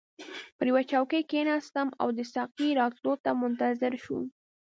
پر یوه چوکۍ کښیناستم او د ساقي راتلو ته منتظر شوم.